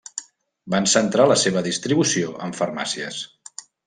Van centrar la seva distribució en farmàcies.